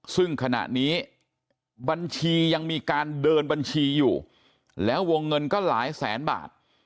ซึ่งขณะนี้บัญชียังมีการเดินบัญชีอยู่แล้ววงเงินก็หลายแสนบาท